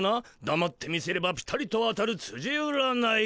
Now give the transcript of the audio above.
だまって見せればピタリと当たるつじ占い。